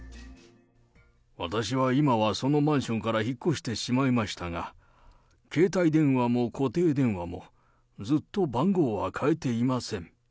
私は今はそのマンションから引っ越してしまいましたが、携帯電話も固定電話も、ずっと番号は変えていません。